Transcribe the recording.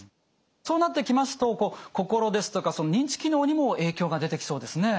そうなってきますとこう心ですとか認知機能にも影響が出てきそうですね。